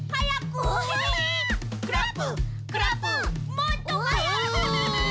もっとはやく！